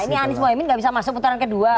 ini anies mohaimin gak bisa masuk putaran kedua